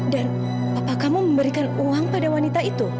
dan papa kamu memberikan uang pada wanita itu